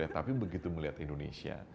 tapi begitu melihat indonesia